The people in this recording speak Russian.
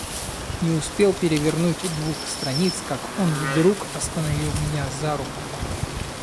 Не успел перевернуть двух страниц, как он вдруг остановил меня за руку.